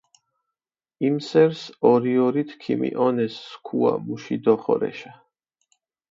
იმ სერს ორი-ორით ქიმიჸონეს სქუა მუში დოხორეშა.